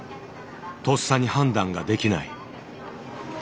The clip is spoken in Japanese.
とっさに判断ができない。